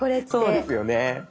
そうですよね。